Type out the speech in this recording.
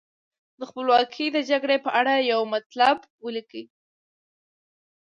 د خپلواکۍ د جګړې په اړه یو مطلب ولیکئ.